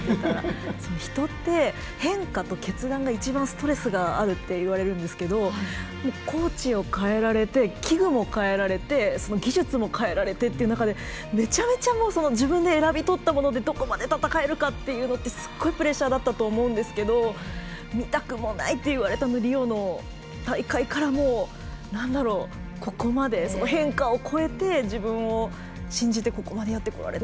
人って変化と決断が一番ストレスがあるっていわれるんですけどコーチを代えられて器具を変えられて技術も変えられてという中でめちゃめちゃ自分で選び取ったものでどこまで戦えるかっていうのかはすごいプレッシャーだったと思うんですけれども見たくもないって言っていたリオの大会からここまで変化を超えて自分を信じてここまでやってこられた。